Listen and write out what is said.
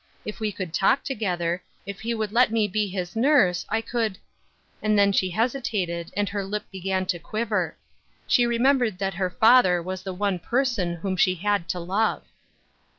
If we could talk together, if he would let me be his nurse, I could —" and then she hositated, and her lip began to quiver. She remembered that her father was the one per son whom she had to love.